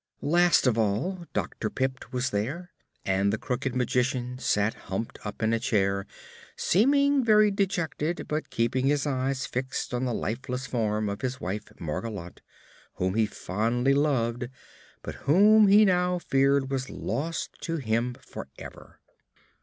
Last of all, Dr. Pipt was there, and the Crooked Magician sat humped up in a chair, seeming very dejected but keeping his eyes fixed on the lifeless form of his wife Margolotte, whom he fondly loved but whom he now feared was lost to him forever.